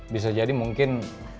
bisa jadi mungkin